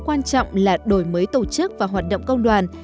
quan trọng là đổi mới tổ chức và hoạt động công đoàn